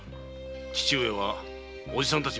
父上はおじさんたち